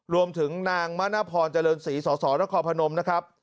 รวมถึงนางมณพรเจริญศรีสสนครพนมนะครับ